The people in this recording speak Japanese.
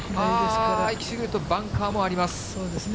行き過ぎるとバンカーもありそうですね。